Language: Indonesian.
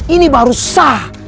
ini baru sah